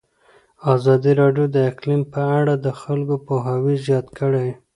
ازادي راډیو د اقلیم په اړه د خلکو پوهاوی زیات کړی.